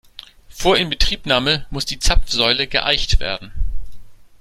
Vor Inbetriebnahme muss die Zapfsäule geeicht werden.